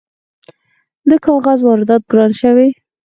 د کاغذ واردات ګران شوي؟